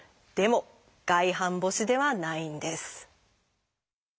でも外反母趾ではないんです。